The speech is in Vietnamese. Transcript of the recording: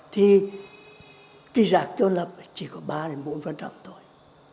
thì cái rác trôn lập chỉ có ba bốn thôi